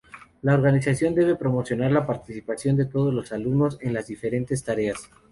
La organización debe promocionar la participación de todos los alumnos en las diferentes tareas.